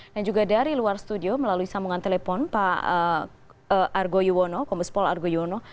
dan juga dari luar studio melalui sambungan telepon pak argo yuwono komes pol argo yuwono